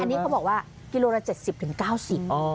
อันนี้เขาบอกว่ากิโลละ๗๐๙๐บาท